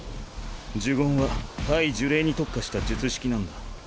呪言は対呪霊に特化した術式なんだ。